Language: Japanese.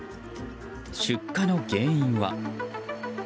出火の原因は？